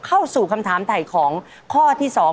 เข้าสู่คำถามถ่ายของข้อที่๒